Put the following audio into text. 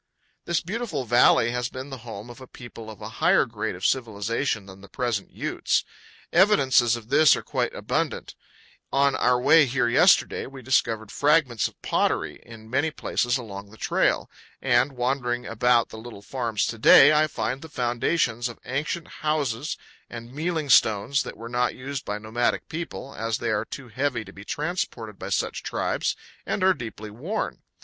This beautiful valley has been the home of a people of a higher grade of civilization than the present Utes. Evidences of this are quite abundant; on our way here yesterday we discovered fragments FROM ECHO PARK TO THE MOUTH OF UINTA RIVER. 185 of pottery in many places along the trail; and, wandering about the little farms to day, I find the foundations of ancient houses, and mealing stones that were not used by nomadic people, as they are too heavy to be transported by such tribes, and are deeply worn.